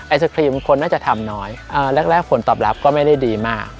ไอศครีมคนน่าจะทำน้อยแรกผลตอบรับก็ไม่ได้ดีมาก